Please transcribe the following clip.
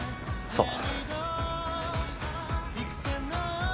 そう。